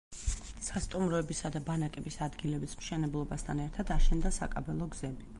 სასტუმროებისა და ბანაკების ადგილების მშენებლობასთან ერთად, აშენდა საკაბელო გზები.